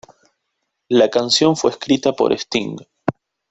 La canción fue escrita por Sting.